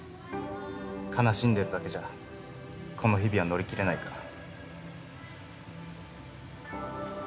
悲しんでるだけじゃこの日々は乗り切れないから。